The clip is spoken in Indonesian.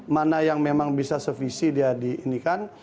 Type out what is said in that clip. mana yang memang bisa servisi dia diinikan